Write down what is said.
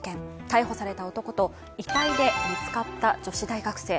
逮捕された男と遺体で見つかった女子大学生、